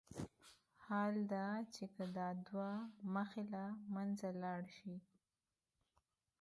حال دا چې که دا دوه مخي له منځه لاړ شي.